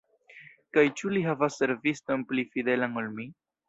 Kaj ĉu li havas serviston pli fidelan ol mi?